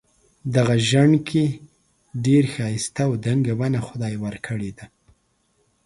دغه ژڼکی ډېر ښایسته او دنګه ونه خدای ورکړي ده.